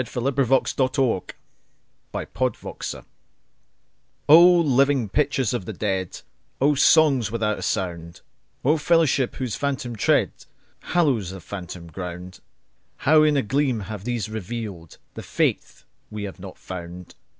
1917. Henry Newbolt The War Films O LIVING pictures of the dead,O songs without a sound,O fellowship whose phantom treadHallows a phantom ground—How in a gleam have these revealedThe faith we had not found.